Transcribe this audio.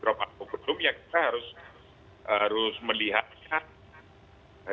drop atau belum ya kita harus melihatnya